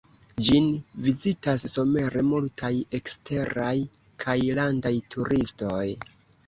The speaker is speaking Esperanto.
Ĝin vizitas somere multaj eksteraj kaj landaj turistoj.